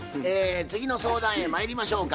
次の相談へまいりましょうか。